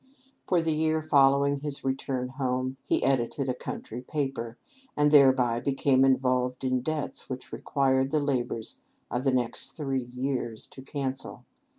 For the year following his return home, he edited a country paper, and thereby became involved in debts which required the labors of the next three years to cancel.